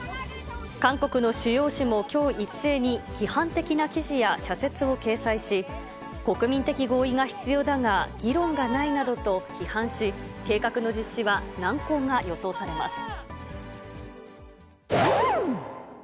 韓国の主要紙もきょう一斉に、批判的な記事や社説を掲載し、国民的合意が必要だが、議論がないなどと批判し、計画の実施は難航が予想されます。